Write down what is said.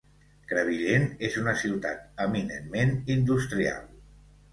Crevillent és una ciutat eminentment industrial.